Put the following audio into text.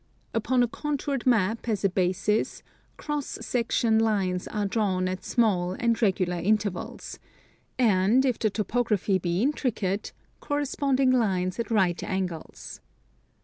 Upon a contoured map as a basis cross section lines are drawn at small and regular intervals, and, if the topography be intricate, corresponding lines at right angles.